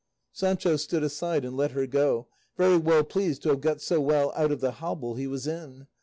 Sancho stood aside and let her go, very well pleased to have got so well out of the hobble he was in.